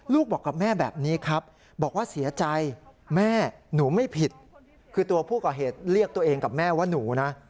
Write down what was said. บอกกับแม่แบบนี้ครับบอกว่าเสียใจแม่หนูไม่ผิดคือตัวผู้ก่อเหตุเรียกตัวเองกับแม่ว่าหนูนะ